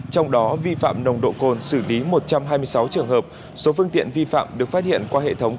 trong đó vi phạm nồng độ cồn xử lý một trăm hai mươi sáu trường hợp số phương tiện vi phạm được phát hiện qua hệ thống